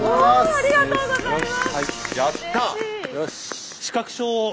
ありがとうございます。